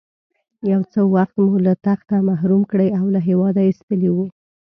یو څه وخت مو له تخته محروم کړی او له هېواده ایستلی وو.